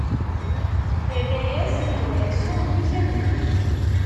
Irra-yas: Nekk, d Ɛisu, mmi-k amenzu.